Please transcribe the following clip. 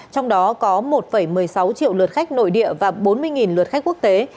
trong đó có một một mươi sáu triệu lượt khách nội địa và bốn mươi lượt khách quốc tế